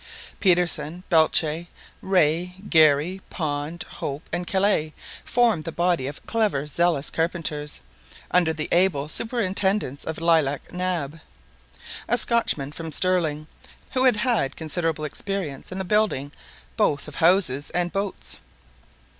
Petersen, Belcher, Rae, Garry, Pond, Hope, and Kellet formed a body of clever, zealous carpenters, under the able superintendence of Mac Nab, a Scotchman from Stirling, who had had considerable experience in the building both of houses and boats.